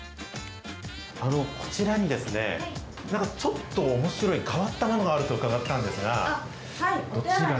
こちらにですね、なんかちょっとおもしろい変わったものがあると伺ったんですが。